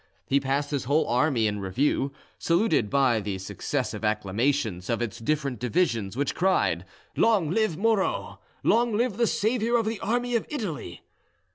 He passed his whole army in review, saluted by the successive acclamations of its different divisions, which cried, "Long live Moreau! Long live the saviour of the army of Italy!"